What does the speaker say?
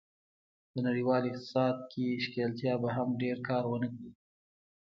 د نړیوال اقتصاد کې ښکېلتیا به هم ډېر کار و نه کړي.